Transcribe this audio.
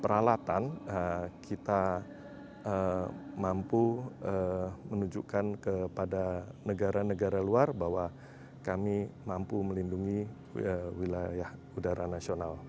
peralatan kita mampu menunjukkan kepada negara negara luar bahwa kami mampu melindungi wilayah udara nasional